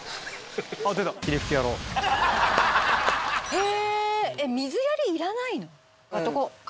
へぇ水やりいらないの？